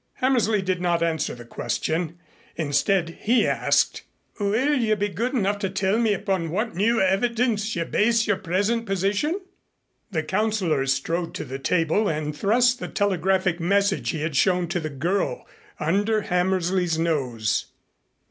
Hammersley did not answer the question. Instead he asked, "Will you be good enough to tell me upon what new evidence you base your present position?" The Councilor strode to the table and thrust the telegraphic message he had shown to the girl under Hammersley's nose.